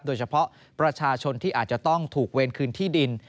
โดยเฉพาะประชาชนที่อาจจะต้องถูกเวรคืนที่ดิน